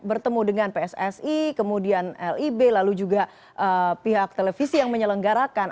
bertemu dengan pssi kemudian lib lalu juga pihak televisi yang menyelenggarakan